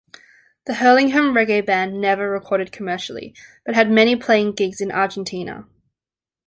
The Hurlingham Reggae Band never recorded commercially, but had many playing gigs in Argentina.